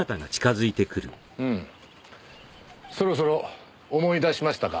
そろそろ思い出しましたか？